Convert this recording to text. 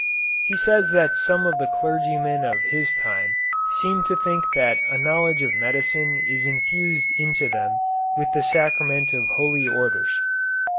He says that some of the clergymen of his time seemed to think that a knowledge of medicine is infused into them with the sacrament of Holy Orders.